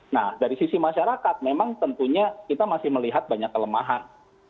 nah dari sisi masyarakat memang tentunya kita masih melihat banyak kelemahan